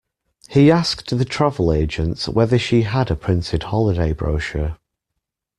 He asked the travel agent whether she had a printed holiday brochure